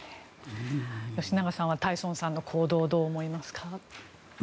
吉永さんはタイソンさんの行動をどう思いますか？